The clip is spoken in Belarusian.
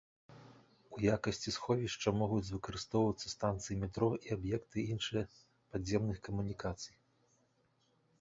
У якасці сховішча могуць выкарыстоўвацца станцыі метро і аб'екты іншыя падземных камунікацый.